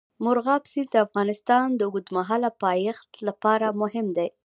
مورغاب سیند د افغانستان د اوږدمهاله پایښت لپاره مهم دی.